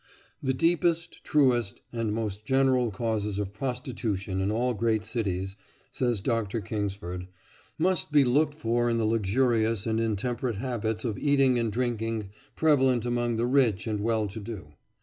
"The deepest, truest, and most general causes of prostitution in all great cities," says Dr. Kingsford, "must be looked for in the luxurious and intemperate habits of eating and drinking prevalent among the rich and well to do.